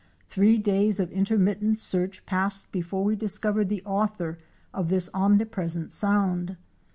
Three days of intermittent search passed before we discovered the author of this omnipresent sound.